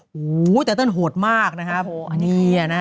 โอ้โหแต่ต้นโหดมากนะครับโอ้โหอันนี้คือเนี่ยนะฮะ